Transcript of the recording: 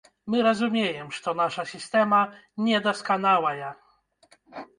Мы разумеем, што наша сістэма недасканалая.